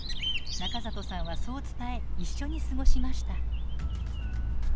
中里さんはそう伝え一緒に過ごしました。